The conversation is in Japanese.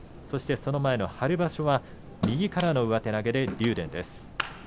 その前の春場所は右からの上手投げで竜電です。